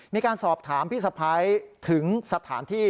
มีการสอบถามพี่สะพ้ายถึงสถานที่